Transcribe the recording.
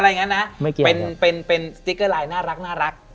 อะไรอย่างนั้นนะไม่เกียรติครับเป็นเป็นเป็นสติ๊กเกอร์ลายน่ารักน่ารัก